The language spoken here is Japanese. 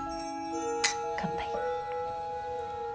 乾杯。